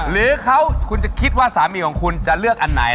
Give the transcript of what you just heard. หรือเขาคุณจะคิดว่าสามีของคุณจะเลือกอันไหน